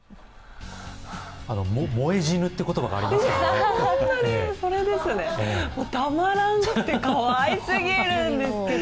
萌え死ぬって言葉ありますけど。